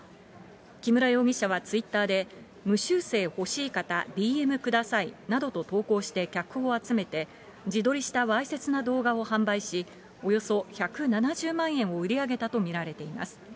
木村容疑者はツイッターで、無修正欲しい方、ｄｍくださいなどと投稿して客を集めて、自撮りしたわいせつな動画を販売し、およそ１７０万円を売り上げたと見られています。